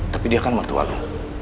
tapi dia kan mertua lu